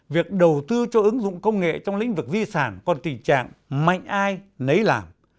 việc đầu tư cho ứng dụng công nghệ trong lĩnh vực di sản còn tình trạng mạnh ai nấy làm